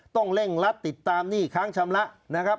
ต้องเร่งรัดติดตามหนี้ค้างชำระนะครับ